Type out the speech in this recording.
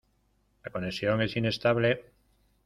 La conexión es inestable